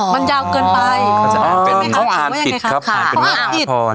มันยาวเกินไปคำอาศิษฐ์ขอคำอาศิษฐ์ว่าไล่ครับค่ะเขาอ่านผิด